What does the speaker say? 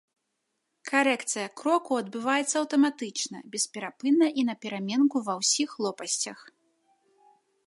Карэкцыя кроку адбываецца аўтаматычна, бесперапынна і напераменку ва ўсіх лопасцях.